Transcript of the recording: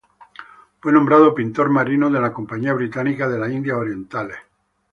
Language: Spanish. Fue nombrado Pintor Marino de la Compañía Británica de las Indias Orientales.